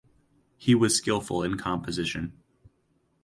He was skillful in composition.